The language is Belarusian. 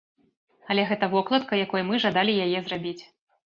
Але гэта вокладка, якой мы жадалі яе зрабіць.